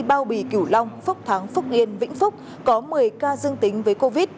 cao bì cửu long phúc thắng phúc yên vĩnh phúc có một mươi ca dương tính với covid